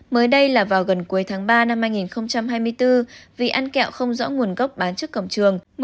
mới đây là vào gần cuối tháng ba năm hai nghìn hai mươi bốn vì ăn kẹo không rõ nguồn gốc bán trước cổng trường